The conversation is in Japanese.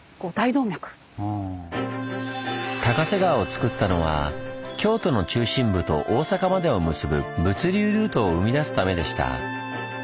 高瀬川をつくったのは京都の中心部と大阪までを結ぶ物流ルートを生み出すためでした。